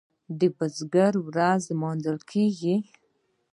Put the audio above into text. د بزګر ورځ لمانځل کیږي.